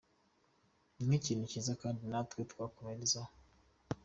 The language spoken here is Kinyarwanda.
Ni ikintu kiza kandi natwe twakomerezaho.